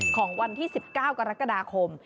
ของวันที่๑๙กรกฎาคม